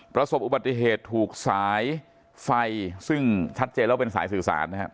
ประสบอุบัติเหตุถูกสายไฟซึ่งชัดเจนแล้วเป็นสายสื่อสารนะครับ